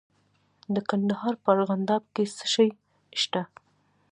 د کندهار په ارغنداب کې څه شی شته؟